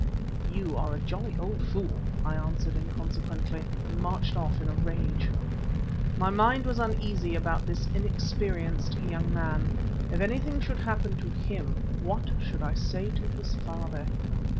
"You are a jolly old fool!" I answered inconsequently; and marched off in a rage. My mind was uneasy about this inexperienced young man. If anything should happen to him, what should I say to his father?